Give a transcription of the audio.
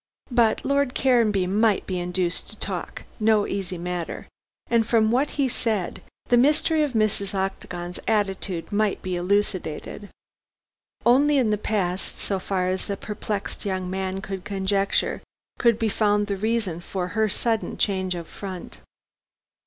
But Lord Caranby might be induced to talk no easy matter and from what he said, the mystery of Mrs. Octagon's attitude might be elucidated. Only in the past so far as the perplexed young man could conjecture could be found the reason for her sudden change of front.